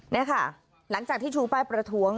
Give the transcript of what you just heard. นี่ค่ะหลังจากที่ชูป้ายประท้วง